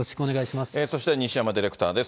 そして、西山ディレクターです。